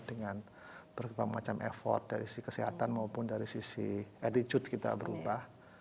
dengan berbagai macam effort dari sisi kesehatan maupun dari sisi attitude kita berubah